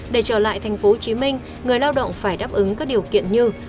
để trở lại tp hcm người lao động phải đáp ứng các điều kiện như